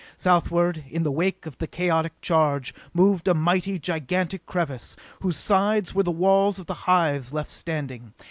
Southward, in the wake of the chaotic charge, moved a mighty, gigantic crevasse, whose sides were the walls of the hives left standing.